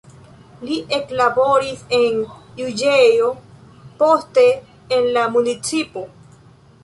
Li eklaboris en juĝejo, poste en la municipo.